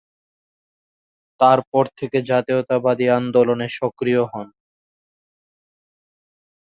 তারপর থেকে জাতীয়তাবাদী আন্দোলনে সক্রিয় হন।